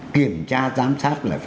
kiểm tra giám sát là phải